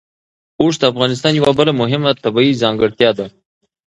اوښ د افغانستان یوه بله مهمه طبیعي ځانګړتیا ده.